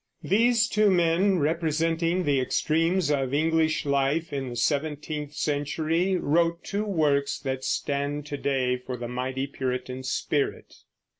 These two men, representing the extremes of English life in the seventeenth century, wrote the two works that stand to day for the mighty Puritan spirit.